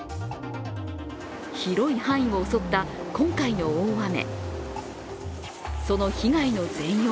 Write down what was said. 広い範囲を襲った今回の大雨。